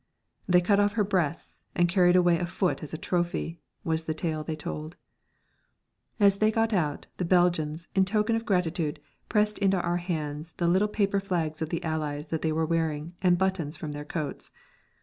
"They cut off her breasts and carried away a foot as a trophy," was the tale they told. As they got out, the Belgians, in token of gratitude, pressed into our hands the little paper flags of the Allies that they were wearing and buttons from their coats.